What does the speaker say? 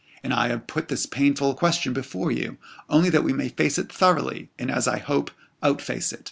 And I have put this painful question before you, only that we may face it thoroughly, and, as I hope, out face it.